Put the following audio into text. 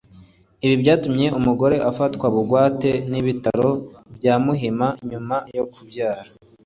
Ibi byatumye umugore we afatwa bugwate n’ibitaro bya Muhima nyuma yo kubyara